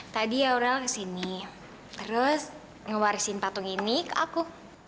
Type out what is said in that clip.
tadi aurel kesini terus ngewarisin patung ini ke aku